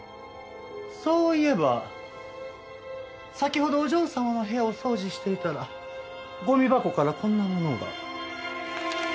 そういえば先ほどお嬢様の部屋を掃除していたらゴミ箱からこんなものが。